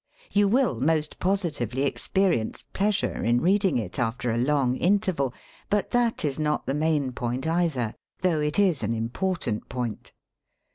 You will most positively experience pleasure in reading it after a long interval; but that is not the main point eithei^though it is an important point.